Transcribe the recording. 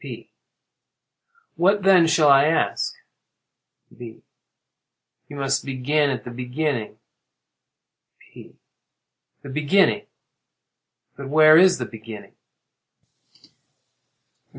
P. What then shall I ask? V. You must begin at the beginning. P. The beginning! But where is the beginning?